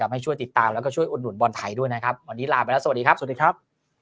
ให้ช่วยติดตามและช่วยอดหนุนบอลไทยด้วยนะครับวันนี้ลาไปแล้วสวัสดีครับ